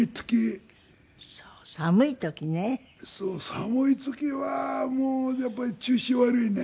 寒い時はもうやっぱり調子悪いね。